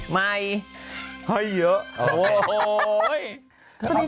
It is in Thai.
ไม่ให้เยอะโอ้โหสวัสดีค่ะ